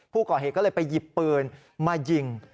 ผู้ก่อเหตุก็เลยไปหยิบปืนมายิง